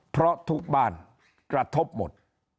เพราะทุกบ้านกระทบหมด